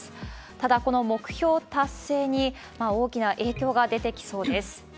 ただ、この目標達成に大きな影響が出てきそうです。